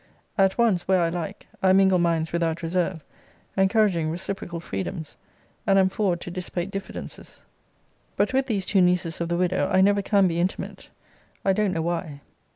At once, where I like, I mingle minds without reserve, encouraging reciprocal freedoms, and am forward to dissipate diffidences. But with these two nieces of the widow I never can be intimate I don't know why.